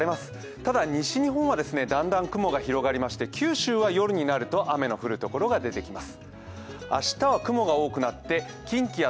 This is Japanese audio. ただ、西日本はだんだん雲が広がりまして九州は夜になると雨の降る所が出てきます。